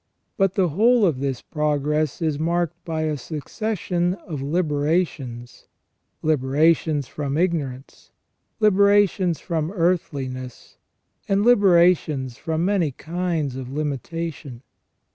But the whole of this progress is marked by a succession of liberations : liberations from ignorance, liberations from earthli ness, and liberations from many kinds of limitation.